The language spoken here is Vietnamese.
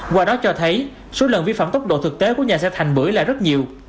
qua đó cho thấy số lần vi phạm tốc độ thực tế của nhà xe thành bưởi là rất nhiều